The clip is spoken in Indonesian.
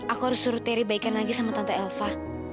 aku harus suruh teri baikan lagi sama tante elva